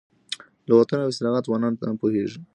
لغتونه او اصطلاحات ځوانان نه پوهېږي.